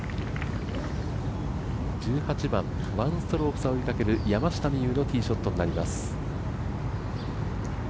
１８番、１ストローク差を追いかける山下美夢有のティーショットになります。